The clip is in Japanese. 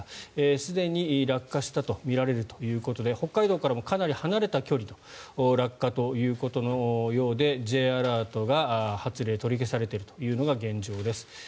すでに落下したとみられるということで北海道からもかなり離れた距離に落下ということのようでＪアラートが発令取り消されているのが現状です。